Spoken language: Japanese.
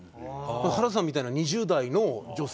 原田さんみたいな２０代の女性